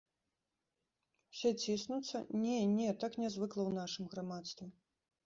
Усе ціснуцца, не, не, так не звыкла ў нашым грамадстве.